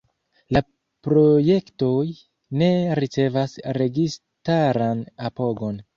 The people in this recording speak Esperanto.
La projektoj ne ricevas registaran apogon.